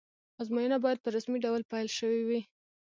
ازموینه باید په رسمي ډول پیل شوې وی.